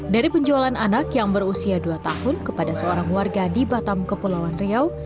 dari penjualan anak yang berusia dua tahun kepada seorang warga di batam kepulauan riau